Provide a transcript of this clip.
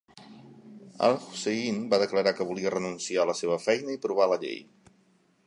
Al-Hussein va declarar que volia renunciar a la seva feina i provar la llei.